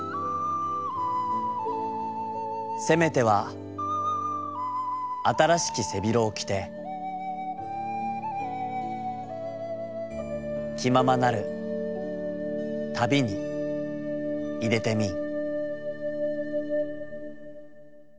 「せめては新しき背廣をきてきままなる旅にいでてみん」。